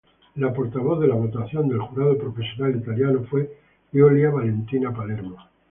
La portavoz de la votación del jurado profesional italiano fue Giulia Valentina Palermo.